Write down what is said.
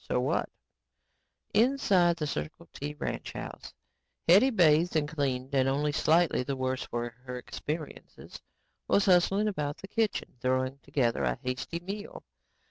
Inside the Circle T ranch house, Hetty, bathed and cleaned and only slightly the worse for her experiences, was hustling about the kitchen throwing together a hasty meal.